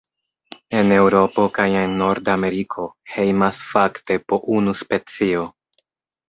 En Eŭropo kaj en Nordameriko hejmas fakte po unu specio.